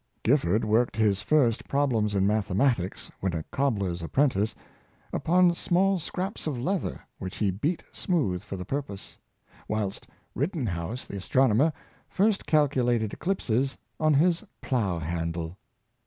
Gifford worked his first problems in mathematics, when a cobbler's apprentice, upon small scraps of leather, which he beat smooth for the purpose; whilst Rittenhouse, the astronomer, first calculated eclipses on his plough handle.